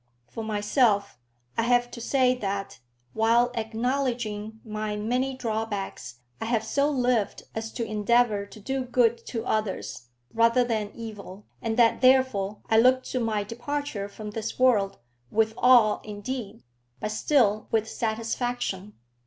For myself, I have to say that, while acknowledging my many drawbacks, I have so lived as to endeavour to do good to others, rather than evil, and that therefore I look to my departure from this world with awe indeed, but still with satisfaction.